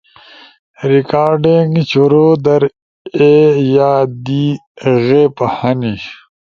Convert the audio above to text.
ریکارڈنگ شروع در اے یا دی غیب ہنی۔